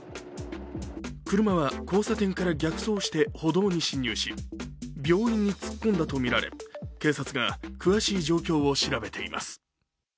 車は交差点から逆走して歩道に進入し病院に突っ込んだとみられ警察が詳しい状況を調べています。